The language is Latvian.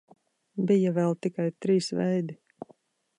Bija vēl tikai trīs veidi.